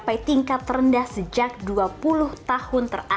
faktanya ini salah